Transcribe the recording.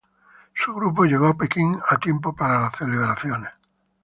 Su grupo llegó a Pekín a tiempo para las celebraciones.